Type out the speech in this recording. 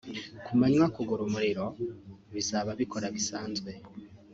ku manywa kugura umuriro bizaba bikora bisanzwe